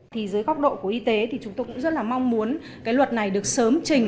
thì dưới góc độ của y tế thì chúng tôi cũng rất là mong muốn cái luật này được sớm trình